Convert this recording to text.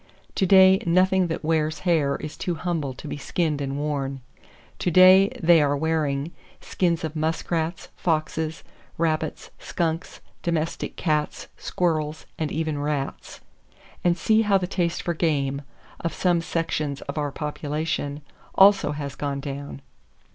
To day nothing that wears hair is too humble to be skinned and worn. To day "they are wearing" skins of muskrats, foxes, rabbits, skunks, domestic cats, squirrels, and even rats. And see how the taste for game,—of some sections of our population,—also has gone down.